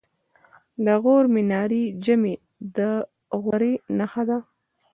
د غور منارې جمعې د غوري نښه ده